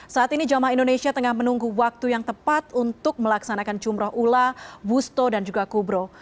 saat ini jamaah indonesia tengah menunggu waktu yang tepat untuk melaksanakan jumroh ula wusto dan juga kubro